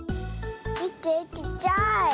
みてちっちゃい。